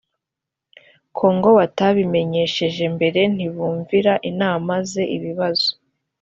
kongo batabimenyesheje mbere ntibumvira inama ze ibibazo